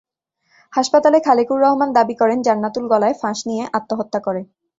হাসপাতালে খালেকুর রহমান দাবি করেন, জান্নাতুল গলায় ফাঁস নিয়ে আত্মহত্যা করে।